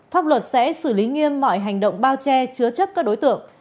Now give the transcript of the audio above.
pháp luật sẽ xử lý nghiêm mọi hành động bao che chứa chấp các đối tượng